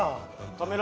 止めろ！